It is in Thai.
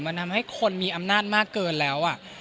มันทำให้คนมีอำนาจมากเกินแล้ว